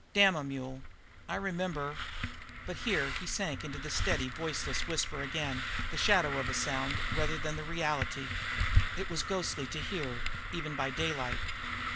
Damn a mule! I remember " But here he sank into the steady, voiceless whisper again, the shadow of a sound rather than the reality. It was ghostly to hear, even by daylight.